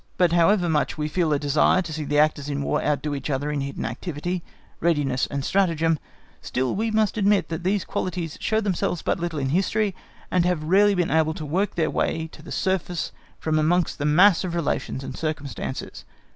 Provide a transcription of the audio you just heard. But however much we feel a desire to see the actors in War outdo each other in hidden activity, readiness, and stratagem, still we must admit that these qualities show themselves but little in history, and have rarely been able to work their way to the surface from amongst the mass of relations and circumstances.